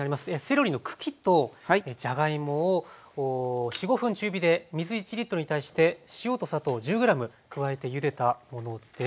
セロリの茎とじゃがいもを４５分中火で水１に対して塩と砂糖１０ｇ加えてゆでたものです。